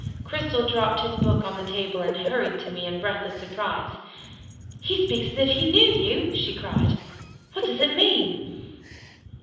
Cristel dropped his book on the table, and hurried to me in breathless surprise. "He speaks as if he knew you!" she cried. "What does it mean?"